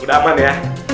udah aman ya